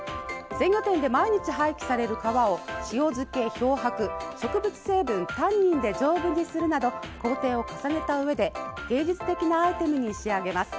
鮮魚店で毎日廃棄される皮を塩漬け、漂白植物成分タンニンで丈夫にするなど工程を重ねたうえで芸術的なアイテムに仕上げます。